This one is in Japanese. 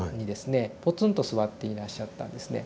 ポツンと座っていらっしゃったんですね。